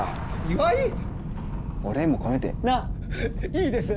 いいです！